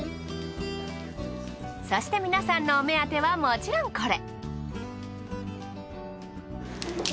そして皆さんのお目当てはもちろんこれ。